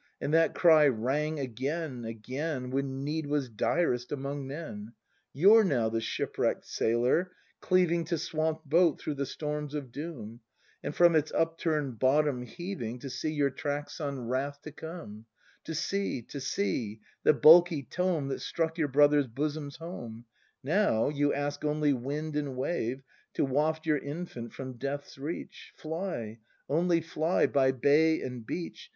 And that cry rang again, again, When need was direst among men! Y o u ' re now the shipwreckt sailor, cleaving To swamp 'd boat through the storms of doom, And from its upturn'd bottom heaving To see your tracts on Wrath to Come, To sea, to sea, the bulky tome That struck your Brothers' bosoms home; Now you ask only wind and wave To waft your infant from death's reach. Fly, only fly, by bay and beach.